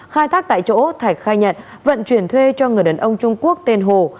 khai thác tại chỗ thạch khai nhận vận chuyển thuê cho người đàn ông trung quốc tên hồ